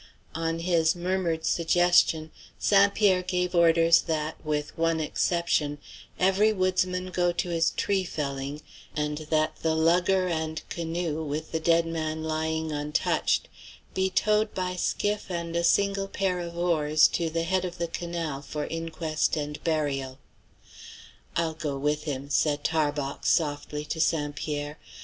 '" On his murmured suggestion, St. Pierre gave orders that, with one exception, every woodsman go to his tree felling, and that the lugger and canoe, with the dead man lying untouched, be towed by skiff and a single pair of oars to the head of the canal for inquest and burial. "I'll go with him," said Tarbox softly to St. Pierre.